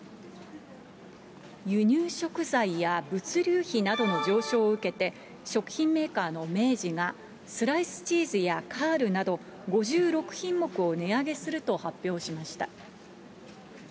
輸入食材や物流費などの上昇を受けて、食品メーカーの明治がスライスチーズやカールなど、５６品目を値上げすると発表しました。